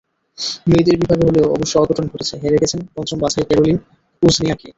মেয়েদের বিভাগে কালও অবশ্য অঘটন ঘটেছে, হেরে গেছেন পঞ্চম বাছাই ক্যারোলিন ওজনিয়াকি।